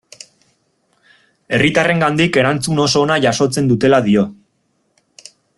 Herritarrengandik erantzun oso ona jasotzen dutela dio.